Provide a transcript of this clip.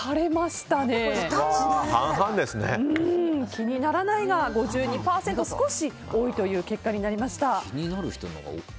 気にならないが５２％と少し多いという結果になりました。